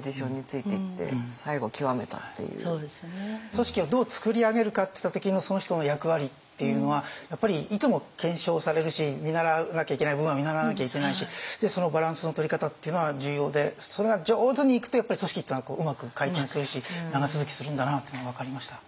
組織をどう作り上げるかっていった時のその人の役割っていうのはやっぱりいつも検証されるし見習わなきゃいけない部分は見習わなきゃいけないしそのバランスのとり方っていうのは重要でそれが上手にいくとやっぱり組織っていうのはうまく回転するし長続きするんだなというのが分かりました。